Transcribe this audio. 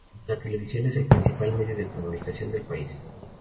La televisión es el principal medio de comunicación del país.